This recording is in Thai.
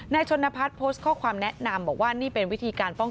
ชนพัฒน์โพสต์ข้อความแนะนำบอกว่านี่เป็นวิธีการป้อง